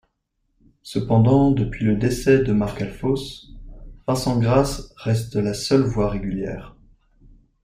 Cependant, depuis le décès de Marc Alfos, Vincent Grass reste la seule voix régulière.